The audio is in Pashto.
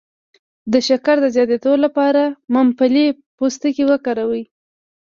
د شکر د زیاتیدو لپاره د ممپلی پوستکی وکاروئ